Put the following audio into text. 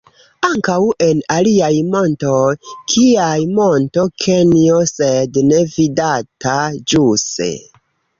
Ankaŭ en aliaj montoj, kiaj Monto Kenjo sed ne vidata ĵuse.